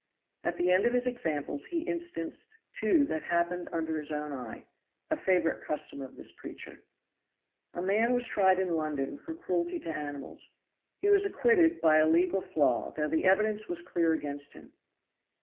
At the end of his examples he instanced two that happened under his own eye a favorite custom of this preacher. "A man was tried in London for cruelty to animals; he was acquitted by a legal flaw, though the evidence was clear against him.